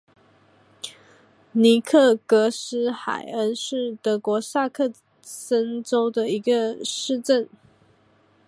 克尼格斯海恩是德国萨克森州的一个市镇。